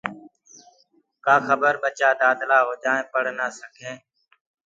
ڪآ کبر ٻچآ دآدلآ هوجآئين پڙه نآ سڪين